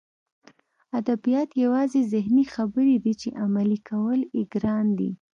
ادبیات یوازې ذهني خبرې دي چې عملي کول یې ګران دي